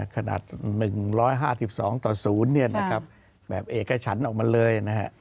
ขนาด๑๕๒ต่อ๐เอกฉันออกมาเลย